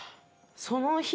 その日の。